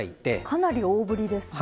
かなり大ぶりですね。